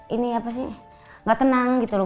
ini apa sih nggak tenang gitu loh